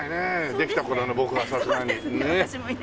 できた頃の僕はさすがにね。素晴らしい！